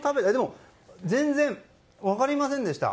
全然分かりませんでした。